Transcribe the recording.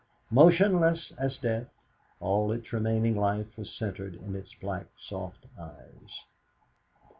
Motionless as death, all its remaining life was centred in its black soft eyes.